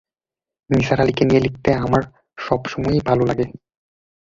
নিসার আলিকে নিয়ে লিখতে আমার সব সময়ই ভাল লাগে।